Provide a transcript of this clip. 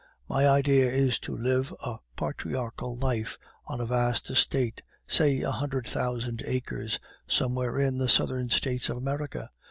My idea is to live a patriarchal life on a vast estate, say a hundred thousand acres, somewhere in the Southern States of America.